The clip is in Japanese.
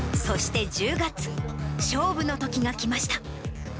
そして１０月、勝負のときが来ました。